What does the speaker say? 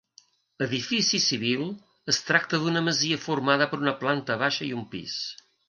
Edifici civil, es tracta d'una masia formada per una planta baixa i un pis.